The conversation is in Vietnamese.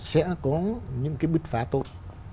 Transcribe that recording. sẽ có những cái bứt phá tốt